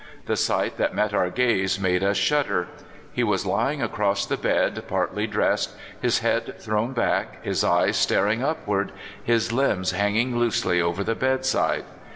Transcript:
The sight that met our gaze made us shudder. He was lying across the bed, partly dressed, his head thrown back, his eyes staring upward, his limbs hanging loosely over the bedside.